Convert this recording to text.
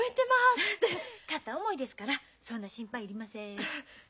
片思いですからそんな心配いりません。